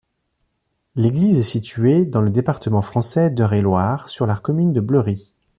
L'église est située dans le département français d'Eure-et-Loir, sur la commune de Bleury.